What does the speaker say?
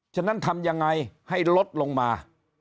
ฉะนั้นทำยังไงให้ลดลงมา